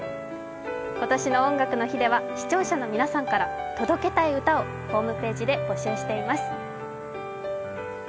今年の「音楽の日」では視聴者の皆さんから届けたい歌をホームページで募集しています。